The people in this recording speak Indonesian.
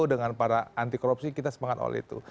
dengan para anti korupsi kita semangat oleh itu